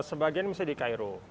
sebagian bisa di cairo